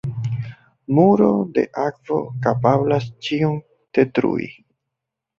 Muro de akvo kapablas ĉion detrui.